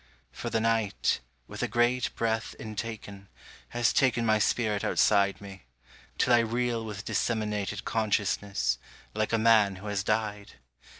For the night, with a great breath intaken, Has taken my spirit outside Me, till I reel with disseminated consciousness, Like a man who has died.